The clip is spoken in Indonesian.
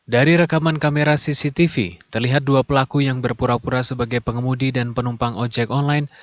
dari rekaman kamera cctv terlihat dua pelaku yang berpura pura sebagai pengemudi dan penumpang ojek online